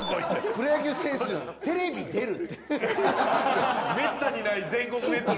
プロ野球選手テレビ出るって。